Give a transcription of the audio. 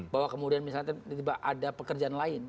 bahwa kemudian misalnya tiba tiba ada pekerjaan lain